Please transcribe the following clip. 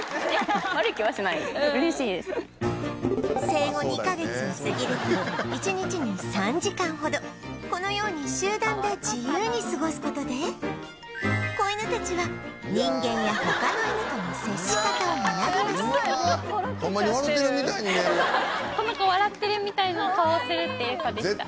生後２カ月を過ぎると１日に３時間ほどこのように集団で自由に過ごす事で子犬たちは「ホンマに笑うてるみたいに見える」「この子笑ってるみたいな顔をするっていう子でした」